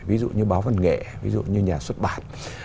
ví dụ như báo văn nghệ ví dụ như nhà xuất bản